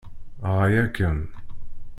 Ɣaya-kem.